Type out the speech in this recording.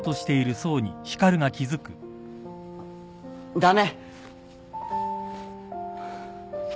駄目。